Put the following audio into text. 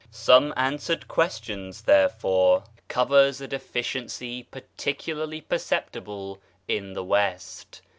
Some Answered Questions, therefore, covers a deficiency particularly perceptible in the West.